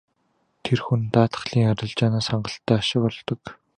Тэр хүн даатгалын арилжаанаас хангалттай ашиг олдог.